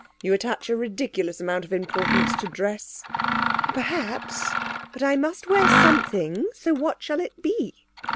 You attach a ridiculous amount of importance to dress.' 'Perhaps; but I must wear something. So what shall it be?'